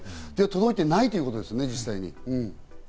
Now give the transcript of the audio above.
届いていないということですね。